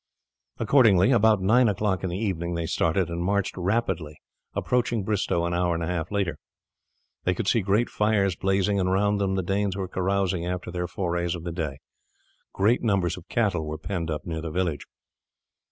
Accordingly about nine o'clock in the evening they started, and marching rapidly approached Bristowe an hour and a half later. They could see great fires blazing, and round them the Danes were carousing after their forays of the day. Great numbers of cattle were penned up near the village.